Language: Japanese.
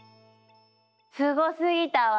すごすぎたわ。